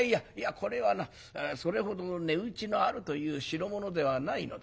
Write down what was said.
これはなそれほど値打ちのあるという代物ではないのだ。